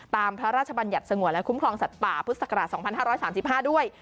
ตามพระราชบัญญัติสงวรรดิ์และคุ้มครองสัตว์ป่าพฤศกราช๒๕๓๕ด้วย